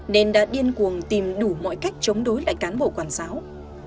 nên đã điên cuồng tìm đủ mọi cách chống đối lại cán bộ quản giáo